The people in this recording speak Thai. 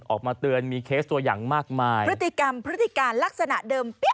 ออกมาเตือนมีเคสตัวอย่างมากมายพฤติกรรมพฤติการลักษณะเดิมเปี้ย